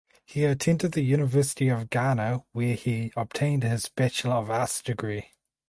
He attended the University of Ghana where he obtained his Bachelor of Arts degree.